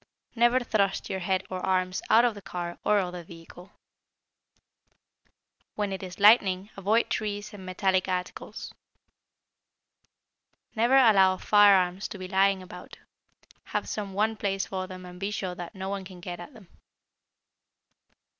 Never thrust your head or arms out of the car or other vehicle. When it is lightning, avoid trees and metallic articles. Never allow firearms to be lying about. Have some one place for them and be sure that no one can get at them.